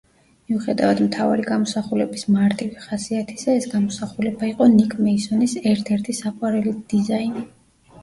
მიუხედავად მთავარი გამოსახულების მარტივი ხასიათისა, ეს გამოსახულება იყო ნიკ მეისონის ერთ-ერთ საყვარელი დიზაინი.